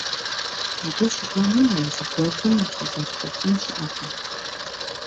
Абы щыгъуэми езы гуэлым ущӀызэпрыкӀын щыӀэкъым.